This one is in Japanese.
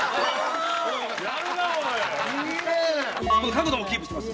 角度もキープしてます。